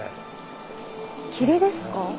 霧ですか？